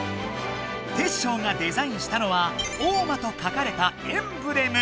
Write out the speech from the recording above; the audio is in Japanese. テッショウがデザインしたのは「ＯＵＭＡ」と書かれたエンブレム！